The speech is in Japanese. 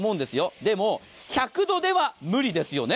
でも１００度では無理ですよね。